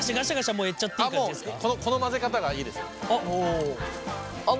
もうこの混ぜ方がいいですね。